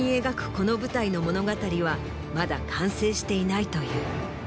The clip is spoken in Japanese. この舞台の物語はまだ完成していないという。